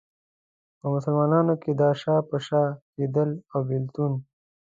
په مسلمانانو کې دا شا په شا کېدل او بېلتون.